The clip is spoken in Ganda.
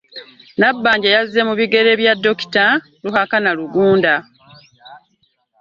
Nabbanja yazze mu bigere bya dokita Ruhakana Rugunda